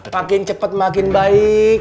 makin cepet makin baik